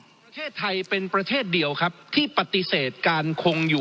ประเทศไทยเป็นประเทศเดียวครับที่ปฏิเสธการคงอยู่